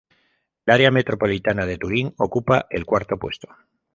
El área metropolitana de Turín ocupa el cuarto puesto.